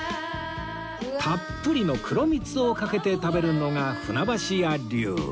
たっぷりの黒蜜をかけて食べるのが船橋屋流